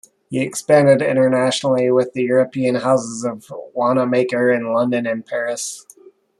He expanded internationally with the European Houses of Wanamaker in London and Paris.